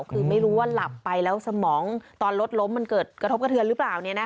คือไม่รู้ว่าหลับไปแล้วสมองตอนรถล้มมันเกิดกระทบกระเทือนหรือเปล่า